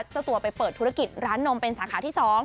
เจ้าตัวไปเปิดธุรกิจร้านนมเป็นสาขาที่๒